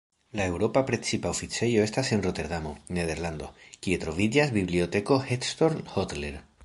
La eŭropa precipa oficejo estas en Roterdamo, Nederlando, kie troviĝas Biblioteko Hector Hodler.